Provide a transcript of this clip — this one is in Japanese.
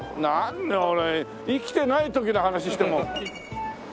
何俺生きてない時の話しても。